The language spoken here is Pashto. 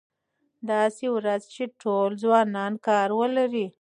داسې ورځ چې ټول ځوانان کار ولري.